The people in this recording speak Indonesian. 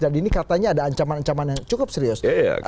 dan ini katanya ada ancaman ancaman yang cukup serius